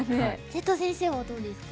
瀬戸先生はどうですか？